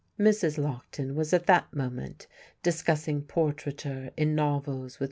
Mrs. Lockton was at that moment discussing portraiture in novels with M.